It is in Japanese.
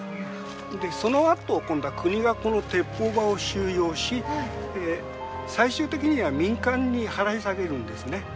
そのあと今度は国がこの鉄砲場を収用し最終的には民間に払い下げるんですね。